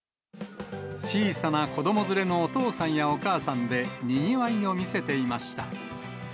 小さな子ども連れのお父さんやお母さんでにぎわいを見せていました。